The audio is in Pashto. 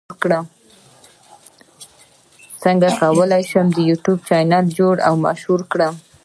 څنګه کولی شم د یوټیوب چینل جوړ او مشهور کړم